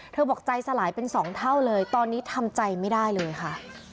บอกใจสลายเป็นสองเท่าเลยตอนนี้ทำใจไม่ได้เลยค่ะ